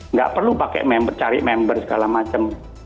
nggak perlu pakai member cari member segala macam